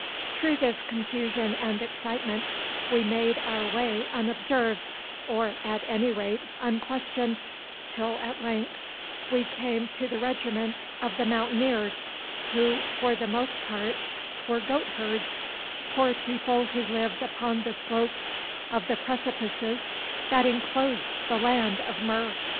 Through this confusion and excitement we made our way unobserved, or, at any rate, unquestioned, till at length we came to the regiment of the Mountaineers, who, for the most part, were goatherds, poor people who lived upon the slopes of the precipices that enclosed the land of Mur.